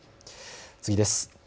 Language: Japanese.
次です。